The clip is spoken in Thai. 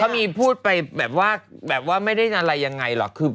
เขามีพูดแบบว่าไม่ได้อะไรอย่างไรหรอก